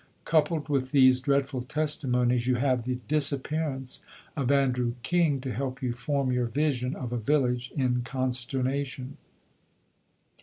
Coupled with these dreadful testimonies you have the disappearance of Andrew King to help you form your vision of a village in consternation.